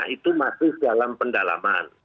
itu masih dalam pendalaman